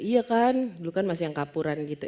iya kan dulu kan masih yang kapuran gitu